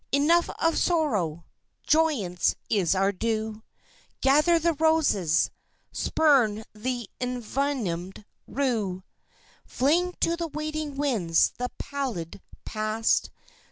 Enough of Sorrow! Joyance is our due. Gather the roses! Spurn th' envenomed rue. Fling to the waiting winds the pallid past.